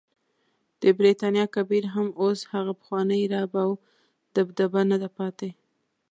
د برټانیا کبیر هم اوس هغه پخوانی رعب او دبدبه نده پاتې.